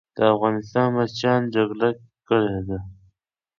د افغانستان بچیانو جګړه کړې ده.